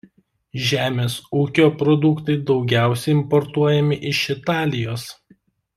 Žemės ūkio produktai daugiausia importuojami iš Italijos.